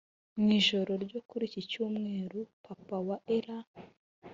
Mu ijoro ryo kuri iki cyumweru Papa wa Ella